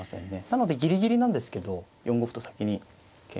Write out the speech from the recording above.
なのでギリギリなんですけど４五歩と先に桂馬取りました。